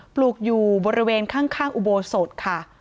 ปลูกอยู่บริเวณข้างอุโบสถค่ะ